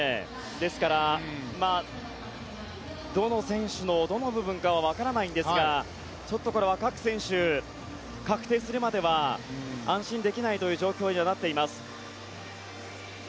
ですから、どの選手のどの部分かはわからないんですがちょっとこれは各選手、確定するまでは安心できないという状況にはなっています。